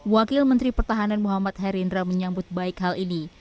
wakil menteri pertahanan muhammad herindra menyambut baik hal ini